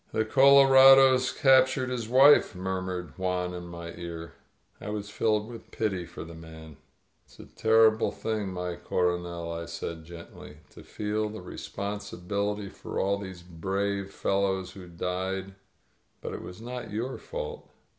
"The colorados captured his wife !" murmured Juan in my ear. I was filled with pity for the man. 100 ..•. ELIZABETTA •::•: "It is a terrible thing, mi CoroneU" I said 'gently, "to feel the responsibility for all these brave fe^ws who died. But it was not your fault.''